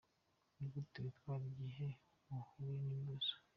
Ni gute witwara igihe uhuye n’ibibazo?.